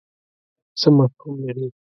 څه مفهوم لري.